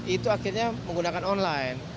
itu akhirnya menggunakan online